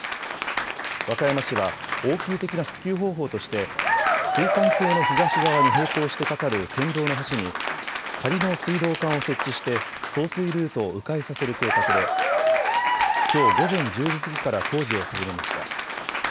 和歌山市は応急的な復旧方法として水管橋の東側に並行して架かる県道の橋に仮の水道管を設置して送水ルートをう回させる計画できょう午前１０時過ぎから工事を始めました。